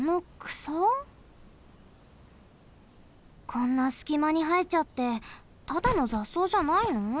こんなすきまにはえちゃってただのざっそうじゃないの？